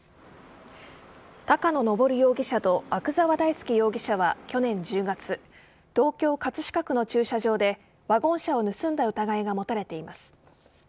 高野登容疑者と阿久沢大介容疑者は去年１０月東京・葛飾区の駐車場でワゴン車を盗んだ疑いが持たれています。